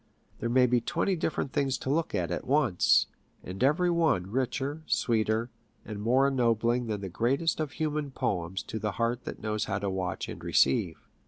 There may be twenty different things to look at at once, and every one richer, sweeter, and more ennobling than the greatest of human poems to the heart that knows how to watch and receive.